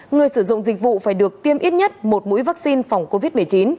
người sử dụng dịch vụ phải được tiêm ít nhất một mũi vaccine phòng covid một mươi chín